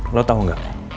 lo tau gak